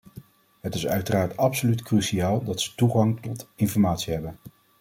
Het is uiteraard absoluut cruciaal dat ze toegang tot informatie hebben.